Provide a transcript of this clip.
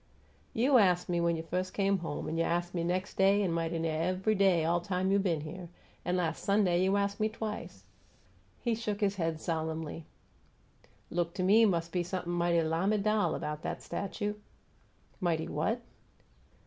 "You ast me when you firs' come home, an' you ast me nex' day, an' mighty near ev'y day all time you been here; an' las' Sunday you ast me twicet." He shook his head solemnly. "Look to me mus' be somep'm might lamiDAL 'bout 'at statue!" "Mighty what?"